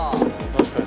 確かに。